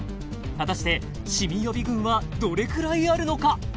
果たしてシミ予備軍はどれくらいあるのか？